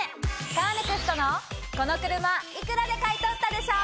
カーネクストのこの車幾らで買い取ったでしょ！